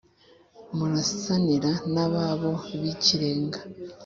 murasanira n'ababo bi ikrenga